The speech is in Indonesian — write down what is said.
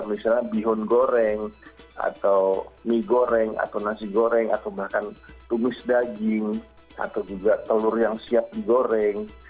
misalnya bihun goreng atau mie goreng atau nasi goreng atau bahkan tumis daging atau juga telur yang siap digoreng